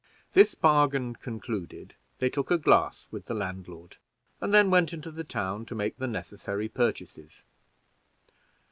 This bargain concluded, they took a glass with the landlord, and then went into the town to make the necessary purchases.